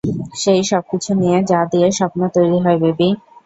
সেই সবকিছু নিয়ে যা দিয়ে স্বপ্ন তৈরি হয়, বেবি।